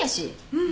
うん。